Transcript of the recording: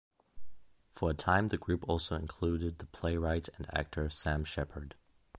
For a time the group also included the playwright and actor Sam Shepard.